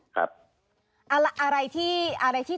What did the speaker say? ๙ข้อหานะครับ